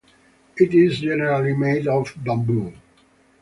It is generally made of bamboo.